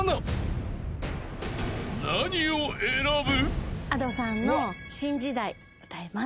［何を選ぶ？］